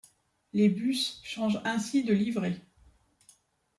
Les bus changent ainsi de livrée.